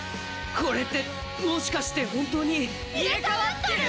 これってもしかして本当に。